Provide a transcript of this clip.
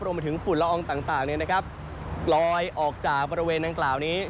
รวมมาถึงฝุ่นละอองต่างเนี่ยนะครับลอยออกจากบริเวณต่างนี้